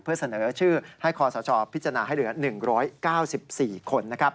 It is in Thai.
เพื่อเสนอชื่อให้คอสชพิจารณาให้เหลือ๑๙๔คน